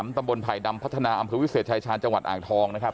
ตำบลไผ่ดำพัฒนาอำเภอวิเศษชายชาญจังหวัดอ่างทองนะครับ